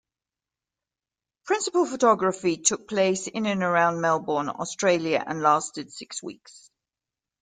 Principal photography took place in and around Melbourne, Australia, and lasted six weeks.